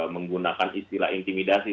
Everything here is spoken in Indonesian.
menggunakan istilah intimidasi